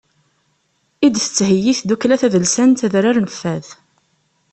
I d-tettheyyi tdukkla tadelsant adrar n fad.